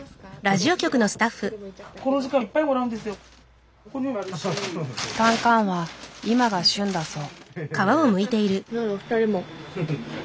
タンカンは今が旬だそう。